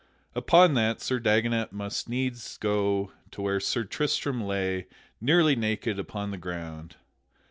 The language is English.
Upon that Sir Dagonet must needs go to where Sir Tristram lay, nearly naked, upon the ground.